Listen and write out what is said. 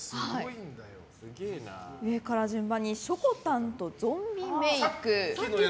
上から順番にしょこたんとゾンビメイク。